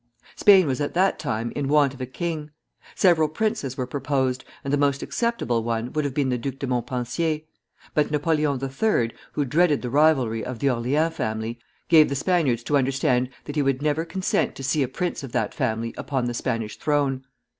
Spain was at that time in want of a king. Several princes were proposed, and the most acceptable one would have been the Duc de Montpensier; but Napoleon III., who dreaded the rivalry of the Orleans family, gave the Spaniards to understand that he would never consent to see a prince of that family upon the Spanish throne.